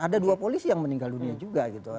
ada dua polisi yang meninggal dunia juga gitu